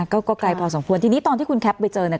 ก็ไกลพอสมควรทีนี้ตอนที่คุณแคปไปเจอเนี่ย